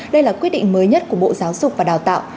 đây là quyết định mới nhất của bộ giáo dục và đào tạo